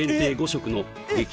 ５食の激